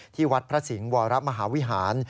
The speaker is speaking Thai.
ที่วัดพระสิงห์วรมหาวิหาร